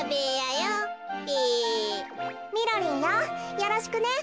よろしくね。